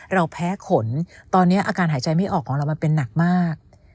เราแพ้ขนตอนนี้อาการหายใจไม่ออกของเรามันเป็นหนักมาก